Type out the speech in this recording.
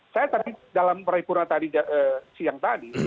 saya tadi dalam perhimpunan siang tadi